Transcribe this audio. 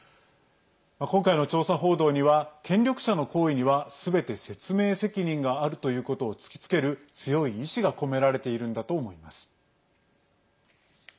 今回の調査報道には権力者の行為にはすべて説明責任があるということを突きつける強い意思が込められているんだと思います。